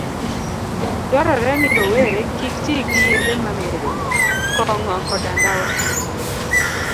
Dwarore ni rowere kik ti gi yedhe mamero, kong'o, koda ndawa